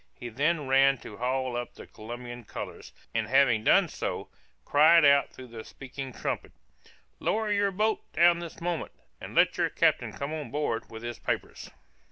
He then ran to haul up the Colombian colors, and having done so, cried out through the speaking trumpet, "Lower your boat down this moment, and let your captain come on board with his papers."